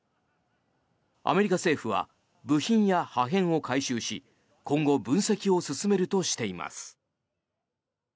アメリカ政府は部品や破片を回収し今後分析を進めるとしています。